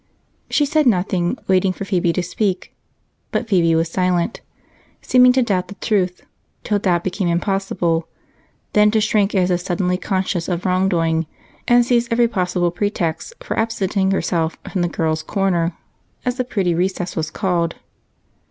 She said nothing, waiting for Phebe to speak, but Phebe was silent, seeming to doubt the truth till doubt became impossible, then to shrink as if suddenly conscious of wrongdoing and seize every possible pretext for absenting herself from the "girls' corner," as the pretty recess was called.